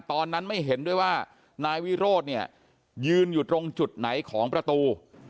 ตอนนั้นไม่เห็นด้วยว่านายวิโรธเนี่ยยืนอยู่ตรงจุดไหนของประตู